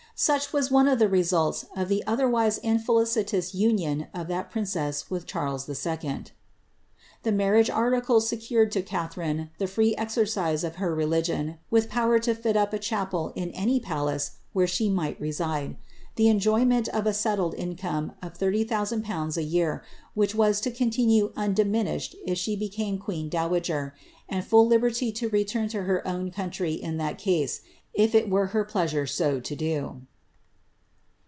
Such was one of tlie results of the otherwise infelicitoua union of that princess with Charles 11. The marriage articles secured to Catharine the free exercise of her religion, with power to fit up a chapel in any palace where she might reside ; the enjoyment of a settlcil income of 30,000/. a year, which was to continue undiminished if she became queen dowager; and liill liberty to return to her own country in tliat case, if it were her plearare so to do."